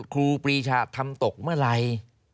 ครูปรีชาทำตกเมื่อไหร่